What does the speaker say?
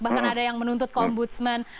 bahkan ada yang menuntut kombudsman